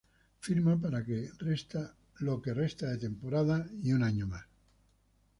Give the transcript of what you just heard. Firma para lo que resta de temporada y un año más.